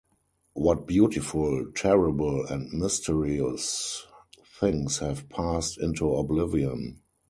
What beautiful, terrible, and mysterious things have passed into oblivion!